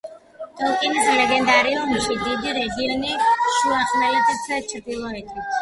ტოლკინის ლეგენდარიუმში დიდი რეგიონი შუახმელეთის ჩრდილოეთით.